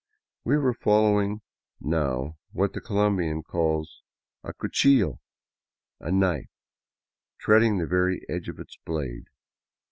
We were follow ing now what the Colombian calls a cuchillo, a " knife," treading the very edge of its blade.